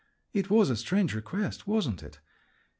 It was a strange request, wasn't it?